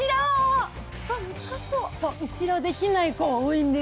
後ろできない子多いんです。